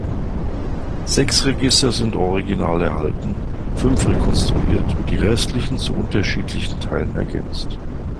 Sechs Register sind original erhalten, fünf rekonstruiert und die restlichen zu unterschiedlichen Teilen ergänzt.